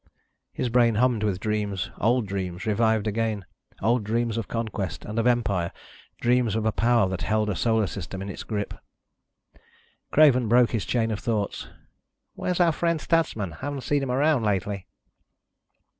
His brain hummed with dreams. Old dreams, revived again, old dreams of conquest and of empire, dreams of a power that held a solar system in its grip. Craven broke his chain of thoughts. "Where's our friend Stutsman? I haven't seen him around lately."